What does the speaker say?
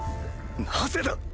なぜだ！